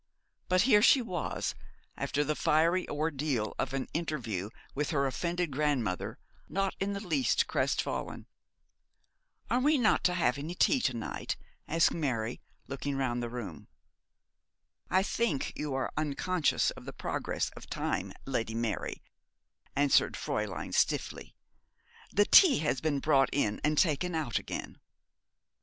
But here she was, after the fiery ordeal of an interview with her offended grandmother, not in the least crestfallen. 'Are we not to have any tea to night?' asked Mary, looking round the room. 'I think you are unconscious of the progress of time, Lady Mary,' answered Fräulein, stiffly. 'The tea has been brought in and taken out again.'